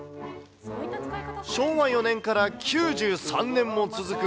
昭和４年から９３年も続く